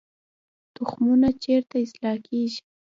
تخمونه چیرته اصلاح کیږي؟